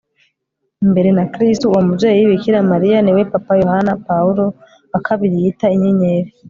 imbere na kristu. uwo mubyeyi bikira mariya ni we papa yohani pawulo ii yita inyenyeri